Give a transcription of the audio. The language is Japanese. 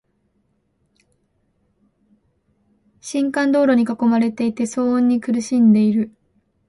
幹線道路に囲まれていて、騒音に苦しんでいる。